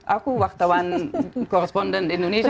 aku wartawan korresponden indonesia